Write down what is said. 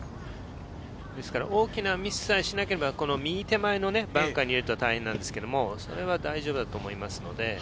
大きなミスさえしなければ、右手前のバンカーに入れると大変ですが、それは大丈夫だと思いますので。